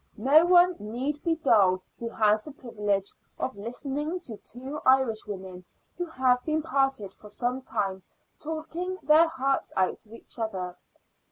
No one need be dull who has the privilege of listening to two Irishwomen who have been parted for some time talking their hearts out to each other.